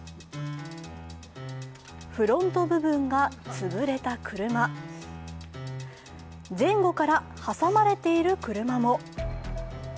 フロント部分が潰れた車前後から挟まれている車も。